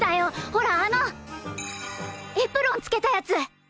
ほらあのエプロンつけたやつ！